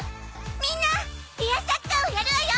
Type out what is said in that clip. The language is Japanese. みんなエアサッカーをやるわよ！